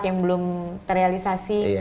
yang belum terrealisasi